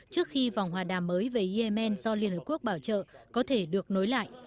trước khi vòng hòa đàm mới về yemen do liên hợp quốc bảo trợ có thể được nối lại